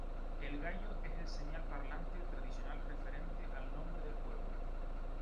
El gallo es el señal parlante tradicional referente al nombre del pueblo.